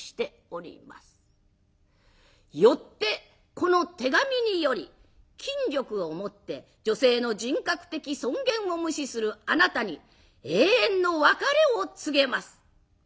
よってこの手紙により金力をもって女性の人格的尊厳を無視するあなたに永遠の別れを告げます。